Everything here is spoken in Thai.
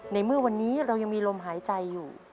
ในเมื่อวันนี้เรายังมีลมหายใจอยู่